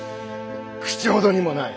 口ほどにもない。